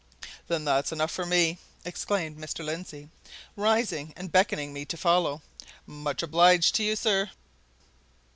"Then that's enough for me!" exclaimed Mr. Lindsey, rising and beckoning me to follow. "Much obliged to you, sir."